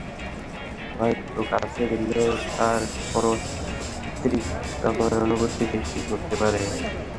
হয়তো কাছে গেলেও তার পরশ বিশ্রী রকমের অনুভূতি সৃষ্টি করতে পারে।